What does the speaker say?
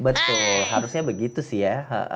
betul harusnya begitu sih ya